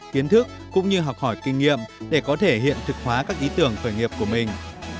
kiến thức cũng như học hỏi kinh nghiệm để có thể hiện thực hóa các ý tưởng khởi nghiệp của mình